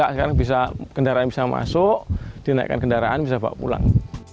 sekarang kendaraan bisa masuk dinaikkan kendaraan bisa bawa pulang